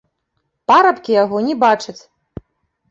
Парабкі яго не бачаць.